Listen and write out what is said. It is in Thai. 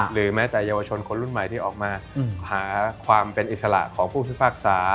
หรือแม้แต่เยาวชนคนรุ่นใหม่ที่ออกมาหาความเป็นอิสระของผู้พิพากษา